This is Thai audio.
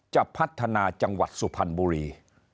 จะพัฒนาจังหวัดสุพรรณบุรี